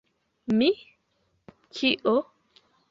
Mi... kio?